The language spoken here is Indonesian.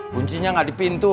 kuncinya ga ada pintu